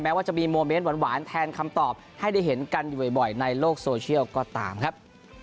ว่าจะมีโมเมนต์หวานแทนคำตอบให้ได้เห็นกันอยู่บ่อยในโลกโซเชียลก็ตามครับ